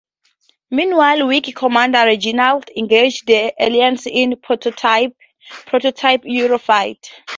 Meanwhile, Wing Commander Reginald engages the aliens in a prototype Eurofighter.